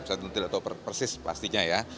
saya tidak tahu persis pastinya ya